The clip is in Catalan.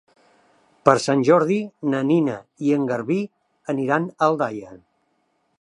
Per Sant Jordi na Nina i en Garbí aniran a Aldaia.